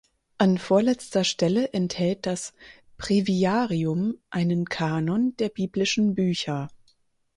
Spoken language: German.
An vorletzter Stelle enthält das "Breviarium" einen Kanon der biblischen Bücher.